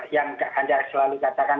yang anda selalu katakan